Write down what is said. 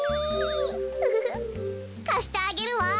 ウフフかしてあげるわ。